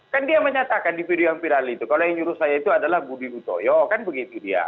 kan dia menyatakan di video yang viral itu kalau yang nyuruh saya itu adalah budi utoyo kan begitu dia